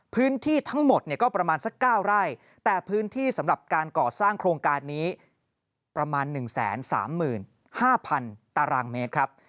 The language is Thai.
พื้นที่ทั้งหมดเนี่ยก็ประมาณสัก๙ไร่แต่พื้นที่สำหรับการก่อสร้างโครงการนี้ประมาณ๑๓๕๐๐๐ตารางเมตรครับ